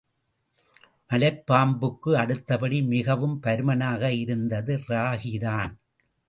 மலைப்பாம்புக்கு அடுத்தபடி மிகவும் பருமனாக இருந்தது ராகிதான்.